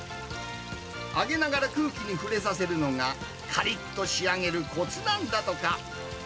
揚げながら空気に触れさせるのが、かりっと仕上げるこつなんだとか。